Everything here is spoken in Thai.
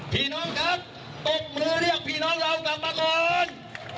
พี่น้องครับตบมือเรียกพี่น้องเรากลับมาก่อน